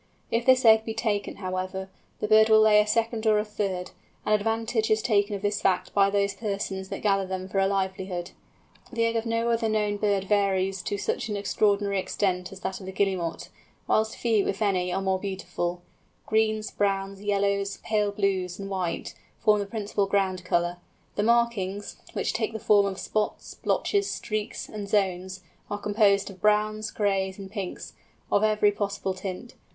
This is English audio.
If this egg be taken, however, the bird will lay a second or a third, and advantage is taken of this fact by those persons that gather them for a livelihood. The egg of no other known bird varies to such an extraordinary extent as that of the Guillemot, whilst few, if any, are more beautiful. Greens, browns, yellows, pale blues, and white, form the principal ground colour; the markings, which take the form of spots, blotches, streaks, and zones, are composed of browns, grays, and pinks, of every possible tint.